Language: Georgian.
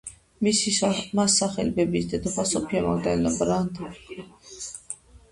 მას სახელი ბებიის, დედოფალ სოფია მაგდალენა ბრანდენბურგ-კულმბახელის პატივსაცემად დაარქვეს.